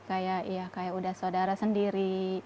kayak ya kayak udah saudara sendiri